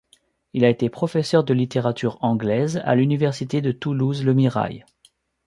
Il a été professeur de littérature anglaise à l'Université de Toulouse-Le Mirail.